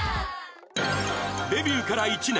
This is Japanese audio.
デビューから１年